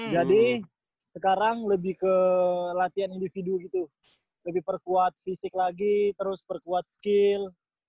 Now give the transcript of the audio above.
jadi sekarang lebih ke latihan individu gitu lebih perkuat fisik lagi terus perkuat skill